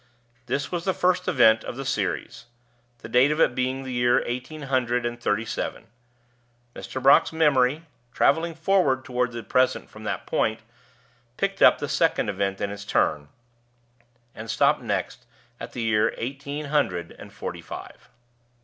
This was the first event of the series; the date of it being the year eighteen hundred and thirty seven. Mr. Brock's memory, traveling forward toward the present from that point, picked up the second event in its turn, and stopped next at the year eighteen hundred and forty five.